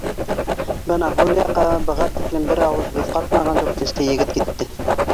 Бына һул яҡҡа быға тиклем бер ауыҙ һүҙ ҡатмаған дүртенсе егет китте